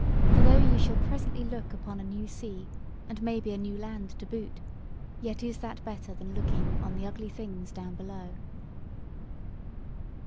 for though ye shall presently look upon a new sea, and maybe a new land to boot, yet is that better than looking on the ugly things down below."